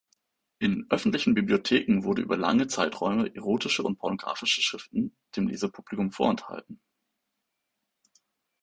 In öffentlichen Bibliotheken wurden über lange Zeiträume erotische und pornographische Schriften dem Lesepublikum vorenthalten.